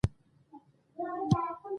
په پاشلي ډول پر چایو بانډار وغوړاوه.